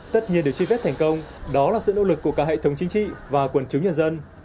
tất nhiên được truy vết thành công đó là sự nỗ lực của cả hệ thống chính trị và quần chúng nhân dân